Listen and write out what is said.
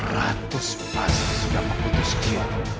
ratus pasir sudah memutuskir